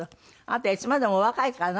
あなたいつまでもお若いから。